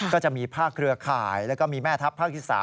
ก็จะมีภาคเครือข่ายแล้วก็มีแม่ทัพภาคที่๓